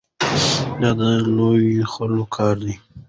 دا د لویو خلکو کار دی.